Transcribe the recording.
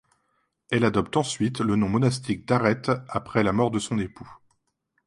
Elle adopte ensuite le nom monastique d'Arete après la mort de son époux.